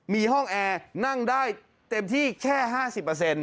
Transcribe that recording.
มีห้องแอร์นั่งได้เต็มที่แค่ห้าสิบเปอร์เซ็นต์